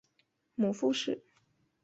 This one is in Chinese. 母傅氏。